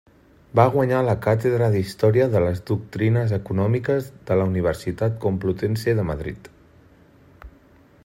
Va guanyar la càtedra d'Història de les Doctrines Econòmiques de la Universitat Complutense de Madrid.